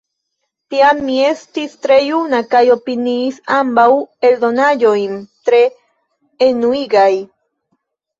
Tiam mi estis tre juna kaj opiniis ambaŭ eldonaĵojn tre enuigaj.